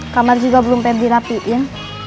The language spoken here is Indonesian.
kamar juga belum febri rapiin